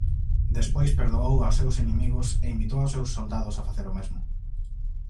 Despois perdoou aos seus inimigos e invitou aos seus soldados a facer o mesmo.